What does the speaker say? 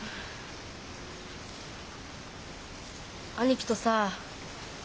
兄貴とさ。